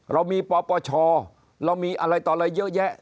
เรามีปปชเรามีอะไรต่ออะไรเยอะแยะ